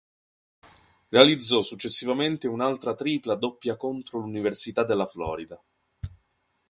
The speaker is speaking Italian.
Realizzò successivamente un'altra tripla doppia contro l'Università della Florida.